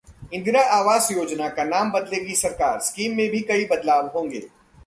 इंदिरा आवास योजना का नाम बदलेगी सरकार, स्कीम में भी कई बदलाव होंगे